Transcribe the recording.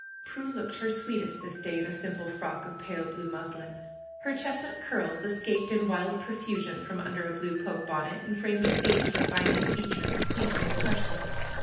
Prue looked her sweetest this day, in a simple frock of pale blue muslin. Her chestnut curls escaped in wild profusion from under a blue poke bonnet, and framed a face refined in feature and sweet in expres sion.